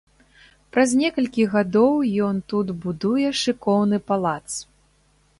Праз некалькі гадоў ён тут будуе шыкоўны палац.